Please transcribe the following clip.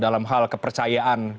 dalam hal kepercayaan